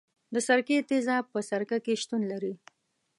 د سرکې تیزاب په سرکه کې شتون لري.